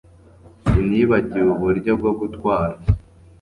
Sinibagiwe uburyo bwo gutwara